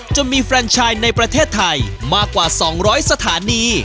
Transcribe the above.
จนมีแฟนชายในประเทศไทยมากกว่า๒๐๐สถานี